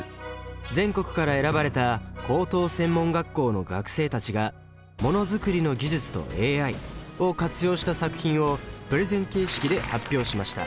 全国から選ばれた高等専門学校の学生たちがものづくりの技術とＡＩを活用した作品をプレゼン形式で発表しました。